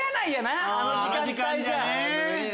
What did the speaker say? あの時間じゃね。